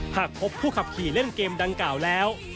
หากพบผู้ขับขี่เล่นเกมดังกล่าวแล้ว